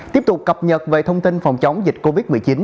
tiếp tục cập nhật về thông tin phòng chống dịch covid một mươi chín